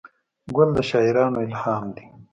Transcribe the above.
ګل د شاعرانو الهام دی.